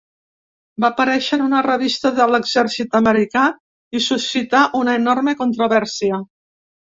Va aparèixer en una revista de l’exèrcit americà i suscità una enorme controvèrsia.